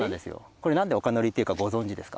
これなんでおかのりっていうかご存じですか？